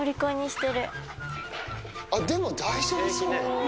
でも大丈夫そう。